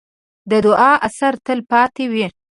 د دعا اثر تل پاتې وي.